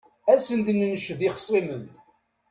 Ad s-d-nenced ixṣimen.